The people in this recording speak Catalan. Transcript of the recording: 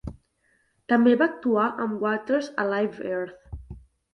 També va actuar amb Waters a Live Earth.